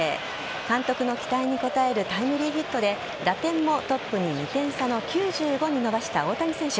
監督の期待に応えるタイムリーヒットで打点もトップに２点差の９５に伸ばした大谷選手。